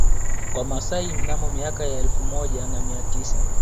Wamasai mnamo miaka ya elfu moja na mia tisa